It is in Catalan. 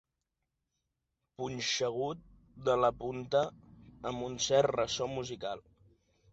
Punxegut de la punta amb un cert ressò musical.